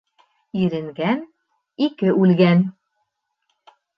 Иренгән ике үлгән.